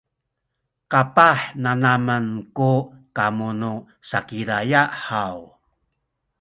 kapah nanamen ku kamu nu Sakizaya haw?